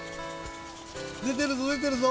でてるぞでてるぞ！